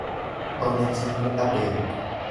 Ơn em xin nguyện đáp đền